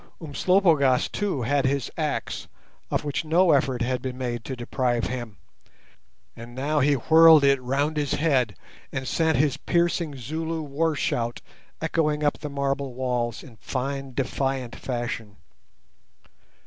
Umslopogaas, too, had his axe, of which no effort had been made to deprive him, and now he whirled it round his head and sent his piercing Zulu war shout echoing up the marble walls in fine defiant fashion.